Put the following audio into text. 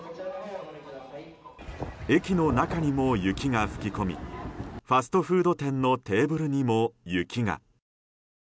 駅の中にも雪が吹き込みファストフード店のテーブルにも雪が。